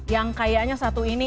yang kayaknya satu ini